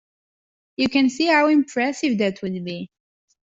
You can see how impressive that would be.